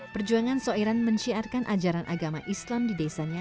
perjuangan soiran menciarkan ajaran agama islam di desanya